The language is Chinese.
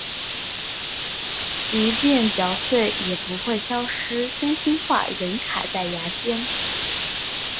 愈创木酚遇三氯化铁变为蓝色。